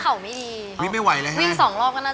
หมวกปีกดีกว่าหมวกปีกดีกว่า